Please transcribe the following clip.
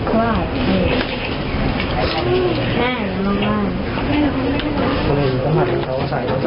ลูกชายวัย๑๘ขวบบวชหน้าไฟให้กับพุ่งชนจนเสียชีวิตแล้วนะครับ